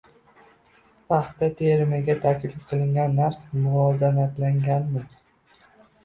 Paxta terimiga taklif qilingan narx muvozanatlanganmi?